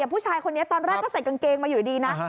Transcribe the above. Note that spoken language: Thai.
ผู้ชายคนนี้ตอนแรกก็ใส่กางเกงมาอยู่ดีนะ